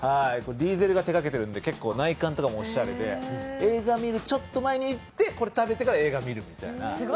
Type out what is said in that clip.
ディーゼルが手がけているので内観もおしゃれで映画見るちょっと前に行って、これ食べてから映画見るみたいな。